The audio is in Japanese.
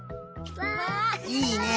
いいね。